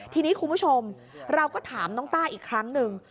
ทีนี้คุณผู้ชมเราก็ถามน้องต้าอีกครั้งหนึ่ง